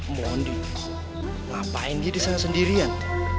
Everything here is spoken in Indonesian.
mohon dia ngapain dia disana sendirian